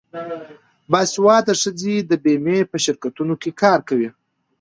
باسواده ښځې د بیمې په شرکتونو کې کار کوي.